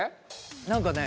何かね。